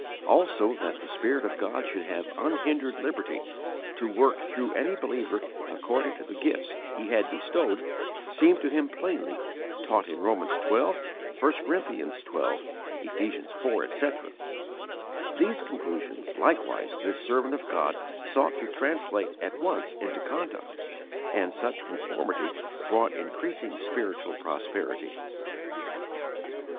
_ (Acts xx 7, etc.) Also, that the Spirit of God should have unhindered liberty to work through any believer according to the gifts He had bestowed, seemed to him plainly taught in Romans xii.; 1 Cor. xii.; Ephes. iv., etc. These conclusions likewise this servant of God sought to translate at once into conduct, and such conformity brought increasing spiritual prosperity.